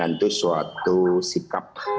karena bagaimanapun aturan lainnya seperti ini